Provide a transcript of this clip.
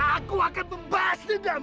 aku akan membahas lidahmu